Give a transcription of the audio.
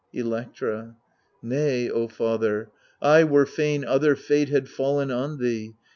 Electra Nay O father, I were fain Other fate had faUen on thee.